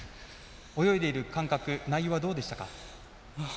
泳いでいる感覚、内容はどうでしたか？